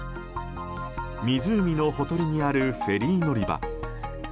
湖のほとりにあるフェリー乗り場。